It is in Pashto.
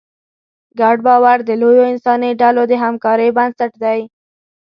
ګډ باور د لویو انساني ډلو د همکارۍ بنسټ دی.